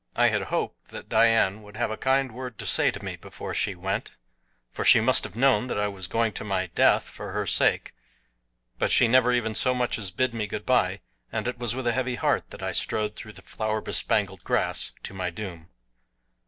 I had hoped that Dian would have a kind word to say to me before she went, for she must have known that I was going to my death for her sake; but she never even so much as bid me good bye, and it was with a heavy heart that I strode through the flower bespangled grass to my doom.